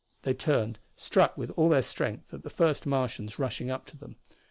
They turned, struck with all their strength at the first Martians rushing up to them.